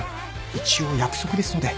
一応約束ですので。